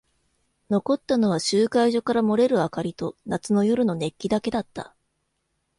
残ったのは集会所から漏れる明かりと夏の夜の熱気だけだった。